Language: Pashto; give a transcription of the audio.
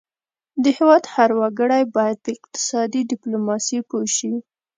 د هیواد هر وګړی باید په اقتصادي ډیپلوماسي پوه شي